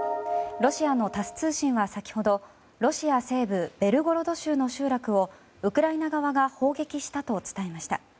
ロシアのタス通信は先ほどロシア西部ベルゴロド州の集落をウクライナ側が砲撃したと伝えました。